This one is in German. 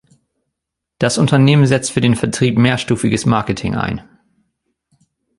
Das Unternehmen setzt für den Vertrieb mehrstufiges Marketing ein.